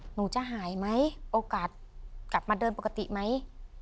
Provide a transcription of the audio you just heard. หนูจะหายไหมโอกาสกลับมาเดินปกติไหม